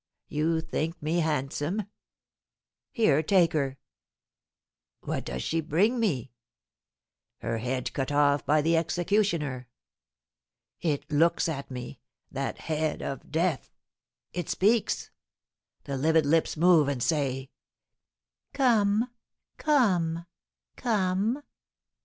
You think me handsome? Here take her! What does she bring me? her head cut off by the executioner! It looks at me, that head of death! It speaks! The livid lips move and say, 'Come come come!'